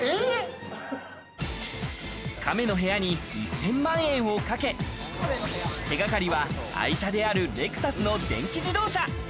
亀の部屋に１０００万円をかけ、手掛かりは愛車であるレクサスの電気自動車。